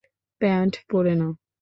Pant পরে নাও।